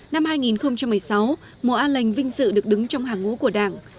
năm hai nghìn một mươi sáu mùa an lành vinh dự được đứng trong hàng ngũ của đảng